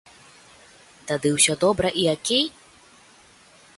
Тады ўсё добра і акей?